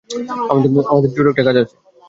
আমাদের ছোট একটা কাজ আছে।